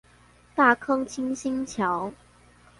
大坑清新橋